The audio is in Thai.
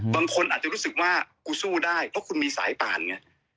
บางคนอาจจะรู้สึกว่ากูสู้ได้เพราะคุณมีสายป่านไง